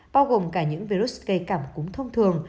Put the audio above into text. bao gồm cả những virus cúm thông thường